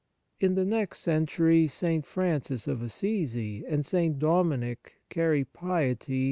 In the next century, St. Francis of Assisi and St. Dominic carry piety